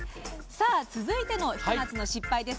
続いての「ひと夏の失敗」